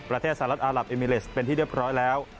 ประเทศสหรัฐอารับเอมิเลสเป็นที่เรียบร้อยแล้ว